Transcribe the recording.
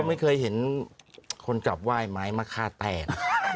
ไม่เคยเห็นคนจับไหว้ไม้มะค่าแต้นะ